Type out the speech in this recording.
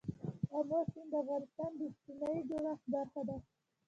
آمو سیند د افغانستان د اجتماعي جوړښت برخه ده.